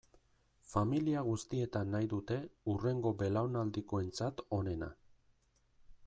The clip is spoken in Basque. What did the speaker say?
Familia guztietan nahi dute hurrengo belaunaldikoentzat onena.